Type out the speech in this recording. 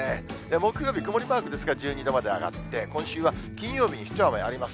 木曜日、曇りマークですが、１２度まで上がって、今週は金曜日に一雨あります。